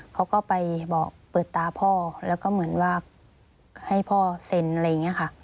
เขาก็ไปบอกเปิดตาพ่อแล้วก็เหมือนว่าให้พ่อเซ็นอะไรอย่างนี้ค่ะ